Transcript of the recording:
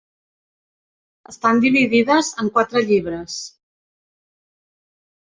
Estan dividides en quatre llibres.